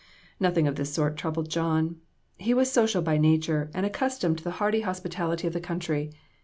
Nothing of this sort troubled John. He was social by nature, and accustomed to the hearty 2/8 INTRICACIES. hospitality of the country.